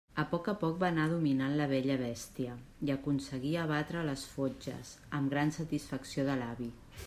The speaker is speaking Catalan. A poc a poc va anar dominant la vella bèstia i aconseguia abatre les fotges, amb gran satisfacció de l'avi.